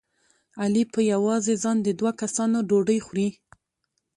علي په یوازې ځان د دوه کسانو ډوډۍ خوري.